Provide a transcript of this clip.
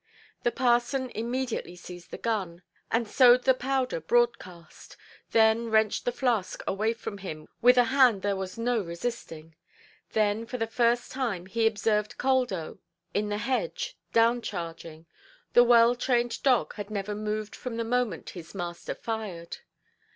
The parson immediately seized the gun, and sowed the powder broadcast, then wrenched the flask away from him with a hand there was no resisting. Then for the first time he observed Caldo in the hedge, "down–charging"; the well–trained dog had never moved from the moment his master fired.